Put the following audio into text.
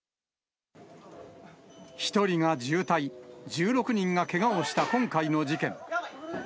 １人が重体、１６人がけがをした今回の事件。